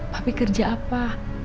papi kerja apa